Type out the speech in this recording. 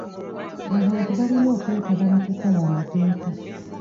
Abantu balina okwetaba mu kukola amateeka.